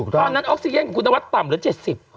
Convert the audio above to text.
ตอนนั้นออกซีเยนคือคุณวัตรต่ำเหลือ๗๐